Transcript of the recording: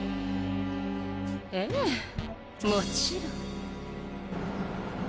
ええもちろん。